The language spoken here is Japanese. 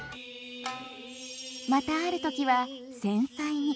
またある時は繊細に。